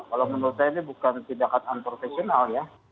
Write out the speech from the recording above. kalau menurut saya ini bukan tindakan unprofesional ya